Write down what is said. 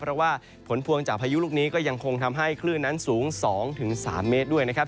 เพราะว่าผลพวงจากพายุลูกนี้ก็ยังคงทำให้คลื่นนั้นสูง๒๓เมตรด้วยนะครับ